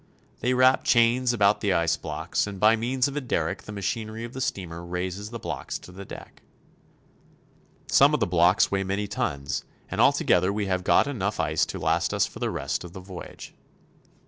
They wrap chains about the ice blocks, and by means of a derrick the machinery of the steamer raises the blocks to the deck. Some of the blocks weigh many tons, and altogether we have got enough ice to last us for the rest of the voyage. 154 CHILE.